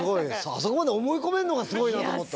あそこまで思い込めるのがすごいなと思った。